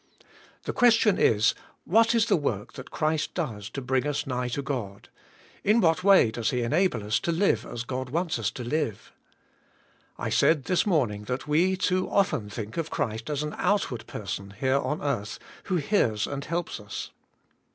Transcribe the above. The question is, what is the work that Christ does to bring us nigh to God ? In what way does He enable us to live as God wants us to live ? I said, this morning, that we too often think of Christ as an outward person here on earth, who hears and helps us.